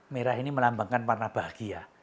merah ini melambangkan warna bahagia